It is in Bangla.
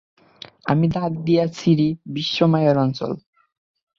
আমি দাঁত দিয়া ছিঁড়ি বিশ্ব মায়ের অঞ্চল।